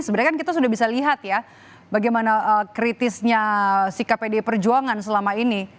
sebenarnya kan kita sudah bisa lihat ya bagaimana kritisnya sikap pdi perjuangan selama ini